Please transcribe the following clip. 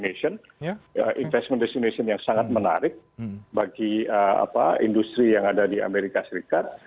destinasi investasi yang sangat menarik bagi industri yang ada di amerika serikat